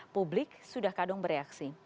publik sudah kadung bereaksi